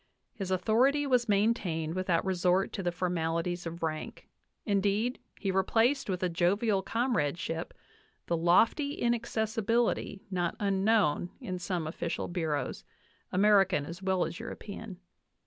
His authority was maintained without resort to the formalities of rank; indeed, he replaced with a jovial comradeship the lofty inaccessibility not unknown in some official bureaus, American as well as European.